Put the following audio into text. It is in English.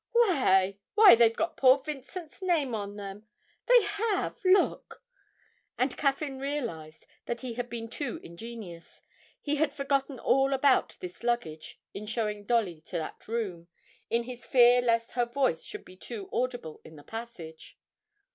'Why why, they've got poor Vincent's name on them! they have look!' And Caffyn realised that he had been too ingenious: he had forgotten all about this luggage in showing Dolly to that room, in his fear lest her voice should be too audible in the passage.